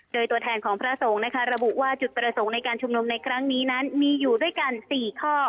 โดยตัวแทนของพระสงฆ์นะคะระบุว่าจุดประสงค์ในการชุมนุมในครั้งนี้นั้นมีอยู่ด้วยกัน๔ข้อ